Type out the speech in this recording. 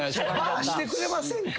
バーしてくれませんか？